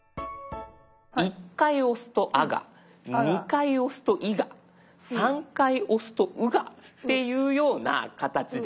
１回押すと「あ」が２回押すと「い」が３回押すと「う」がっていうような形で。